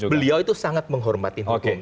beliau itu sangat menghormati hukum